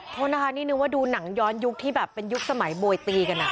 โทษนะคะนี่นึกว่าดูหนังย้อนยุคที่แบบเป็นยุคสมัยโบยตีกัน